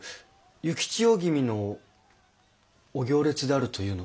幸千代君のお行列である」というのは？